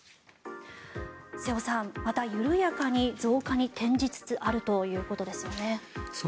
瀬尾さん、また緩やかに増加に転じつつあるということです。